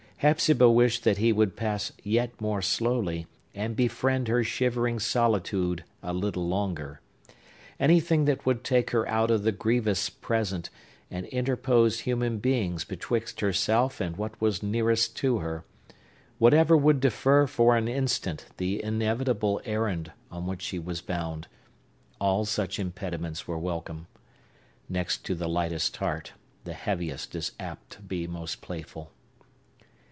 Hepzibah wished that he would pass yet more slowly, and befriend her shivering solitude a little longer. Anything that would take her out of the grievous present, and interpose human beings betwixt herself and what was nearest to her,—whatever would defer for an instant the inevitable errand on which she was bound,—all such impediments were welcome. Next to the lightest heart, the heaviest is apt to be most playful.